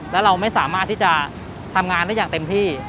แล้วเราไม่สามารถที่จะทำงานได้อย่างเต็มที่